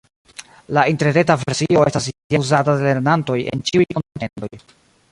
La interreta versio estas jam uzata de lernantoj en ĉiuj kontinentoj.